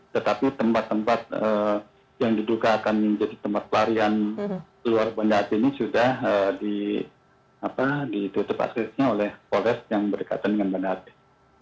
tetapi tempat tempat yang diduga akan menjadi tempat pelarian luar banda aceh ini sudah ditutup aksesnya oleh polres yang berdekatan dengan bandara